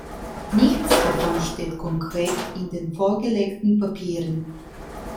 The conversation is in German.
Nichts davon steht konkret in den vorgelegten Papieren.